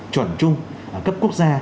chuẩn trung cấp quốc gia